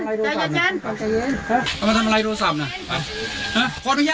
ผมไม่สืบผมมาทำหน้าที่ครับอ้ออย่าเข้าไปเจ้าประราย